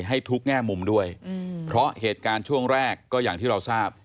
ให้ทุกแง่มุมด้วยเพราะเหตุการณ์ช่วงแรกก็อย่างที่เราทราบ